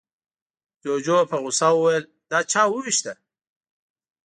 جوجو په غوسه وويل، دا چا ووېشته؟